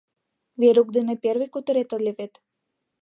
Верук дене первый кутырет ыле вет...